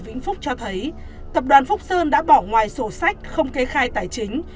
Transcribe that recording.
vĩnh phúc cho thấy tập đoàn phúc sơn đã bỏ ngoài sổ sách không kê khai tài chính